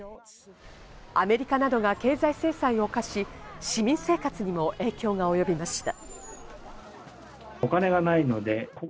アメリカなどが経済制裁を科し、市民生活にも影響が及びました。